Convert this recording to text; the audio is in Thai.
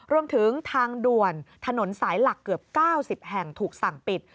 รวมถึงทางด่วนถนนสายหลักเกือบ๙๐แห่งถูกสั่งปิด